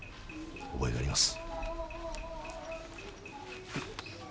覚えがあります。